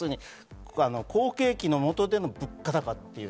好景気のもとでの物価高。